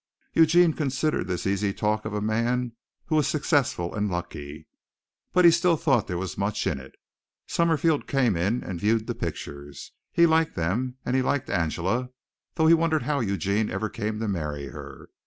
Eugene considered this the easy talk of a man who was successful and lucky, but he still thought there was much in it. Summerfield came in and viewed the pictures. He liked them, and he liked Angela, though he wondered how Eugene ever came to marry her.